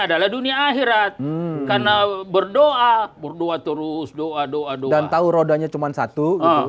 adalah dunia akhirat kanau berdoa perbuat terus doa doa doa tahu roda nya cuman satu